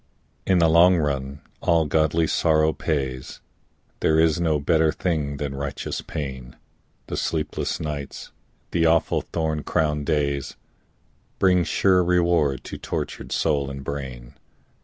In the long run all godly sorrow pays, There is no better thing than righteous pain, The sleepless nights, the awful thorn crowned days, Bring sure reward to tortured soul and brain.